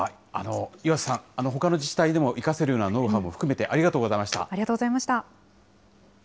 岩瀬さん、ほかの自治体でも生かせるようなノウハウも含めて、ありがとうございました。